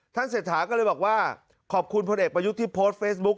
เศรษฐาก็เลยบอกว่าขอบคุณพลเอกประยุทธ์ที่โพสต์เฟซบุ๊ค